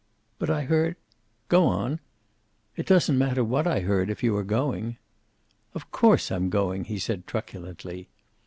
"But I heard " "Go on!" "It doesn't matter what I heard, if you are going." "Of course I'm going," he said, truculently.